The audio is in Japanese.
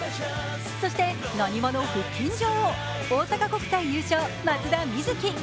そして、なにわの腹筋女王大阪国際優勝、松田瑞生。